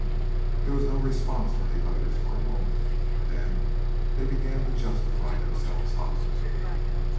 There was no response from the others for a moment. Then they began to justify themselves hotly.